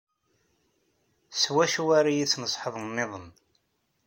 S wacu ara yi-tneṣḥeḍ nniḍen?